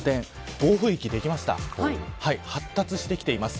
暴風域ができました発達してきています。